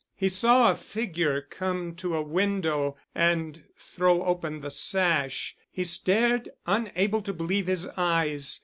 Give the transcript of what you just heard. He saw a figure come to a window and throw open the sash. He stared, unable to believe his eyes.